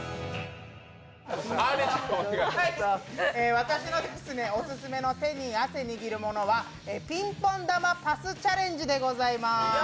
私のオススメの手に汗握るものはピンポン玉パスチャレンジでございます。